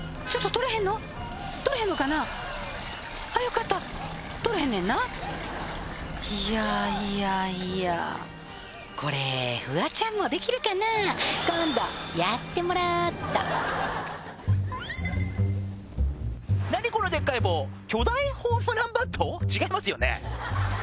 取れへんのかなあよかった取れへんねんないやいやいやこれフワちゃんもできるかな今度やってもらおっと何このでっかい棒巨大ホームランバット？違いますよね